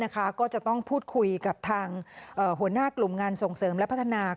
ก็จะต้องพูดคุยกับทางหัวหน้ากลุ่มงานส่งเสริมและพัฒนา